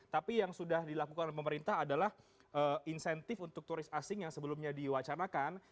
tapi yang sudah dilakukan oleh pemerintah adalah insentif untuk turis asing yang sebelumnya diwacanakan